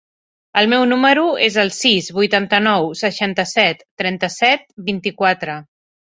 El meu número es el sis, vuitanta-nou, seixanta-set, trenta-set, vint-i-quatre.